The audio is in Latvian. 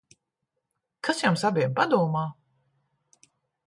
Kas jums abiem padomā?